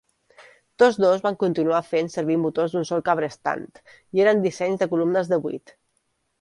Tots dos van continuar fent servir motors d'un sol cabrestant i eren dissenys de columnes de buit.